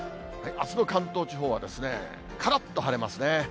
あすの関東地方はですね、からっと晴れますね。